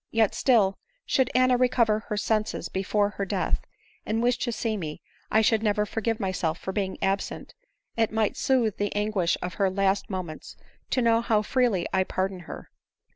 Yet still, should Anna recover her senses before her death, and wish to see me, I should never forgive myself for being absent — it might sooth the anguish of her last moments to know how freely I pardon her.